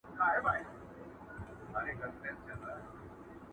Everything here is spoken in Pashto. هغه بل پر جواهرو هنرونو!!